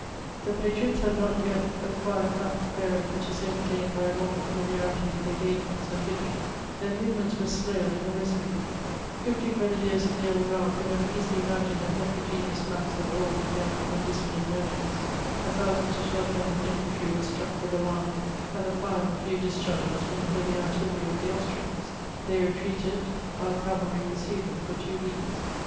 The patriots had not yet acquired that bearing which is only gained by a long familiarity with engagements and victory ; their movements were slow and irresolute; fifty grenadiers of the old guard would have easily routed a heterogeneous mass of old and young undisciplined nobles; a thousand to twelve hundred infantiy were struck with alarm at the fire of a few discharges from the heavy artillery of the Austrians ; they retreated ; our cavalry pursued them for two leagues.